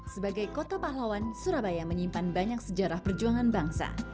sebagai kota pahlawan surabaya menyimpan banyak sejarah perjuangan bangsa